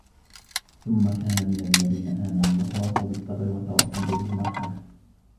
ثم كان من الذين آمنوا وتواصوا بالصبر وتواصوا بالمرحمة